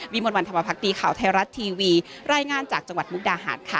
วิมณวันธรรมพักดีค่าไทยรัททีวีแร้ง่านจากจังหวัดมกดาหาดค่ะ